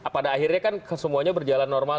pada akhirnya kan kesemuanya berjalan normal